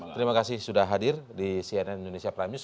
terima kasih sudah hadir di cnn indonesia prime news